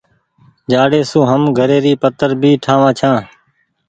جآڙي سون هم گھري ري پتر ڀي ٺآ وآن ڇآن۔